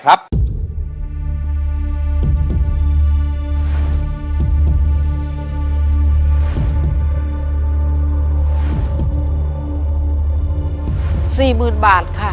สิบสี่หมื่นบาทค่ะ